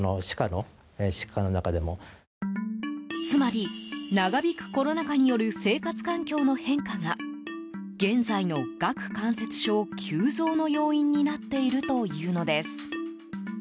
つまり、長引くコロナ禍による生活環境の変化が現在の顎関節症急増の要因になっているというのです。